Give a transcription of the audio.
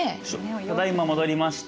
ただいま戻りました。